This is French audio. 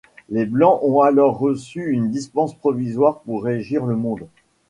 Les blancs ont alors reçu une dispense provisoire pour régir le monde.